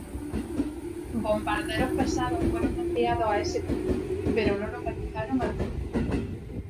Bombarderos pesados fueron enviados a ese punto, pero no localizaron al convoy.